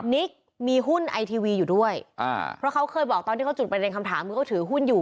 นิคมีหุ้นไอทีวีก็บอกตอนจุดที่เขาแบ่งมือถือหุ้น